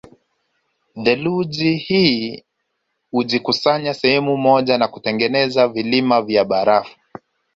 Theluji hii hujikusanya sehemu moja na kutengeneza vilima vya barafu